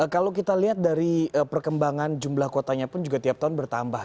kalau kita lihat dari perkembangan jumlah kotanya pun juga tiap tahun bertambah